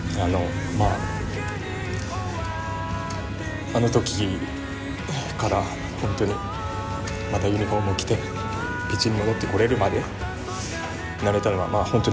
まああの時から本当にまたユニフォームを着てピッチに戻ってこれるまでやれたのは本当にうれしいですし。